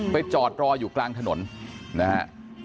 จอดรออยู่กลางถนนนะฮะ